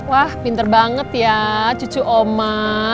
wah pinter banget ya cucu oma